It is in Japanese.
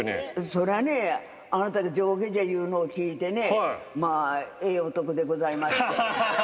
そりゃね、あなたが上下町やいうのを聞いてね、まあ、ええ男でございます。